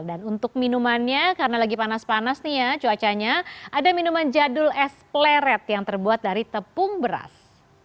dan untuk minumannya karena lagi panas panas cuacanya ada minuman jadul es pleret yang terbuat dari tepung beras